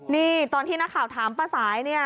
นี่ตอนที่นักข่าวถามป้าสายเนี่ย